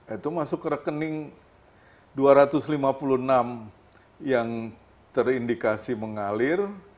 itu masuk ke rekening dua ratus lima puluh enam yang terindikasi mengalir